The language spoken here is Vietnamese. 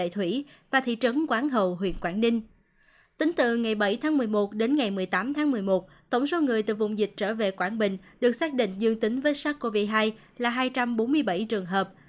tính từ bảy tháng một mươi một đến ngày một mươi tám tháng một mươi một tổng số người từ vùng dịch trở về quảng bình được xác định dương tính với sars cov hai là hai trăm bốn mươi bảy trường hợp